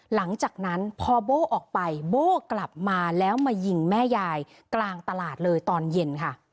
หลังจากนั้นพอโบ้ออกไปโบ้กลับมาแล้วมายิงแม่ยายกลางตลาดเลยตอนเย็นค่ะ